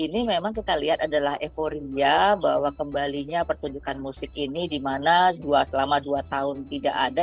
ini memang kita lihat adalah euforia bahwa kembalinya pertunjukan musik ini dimana selama dua tahun tidak ada